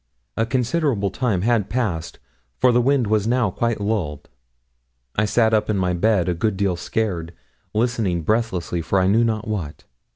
A considerable time had passed, for the wind was now quite lulled. I sat up in my bed a good deal scared, listening breathlessly for I knew not what.